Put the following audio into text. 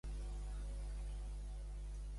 Què és Orland furiós?